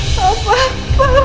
suster ya tolong